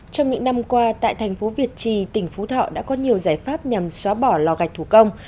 trong những năm qua tại thành phố việt trì tỉnh phú thọ đã có nhiều giải pháp nhằm xóa bỏ lò gạch thủ công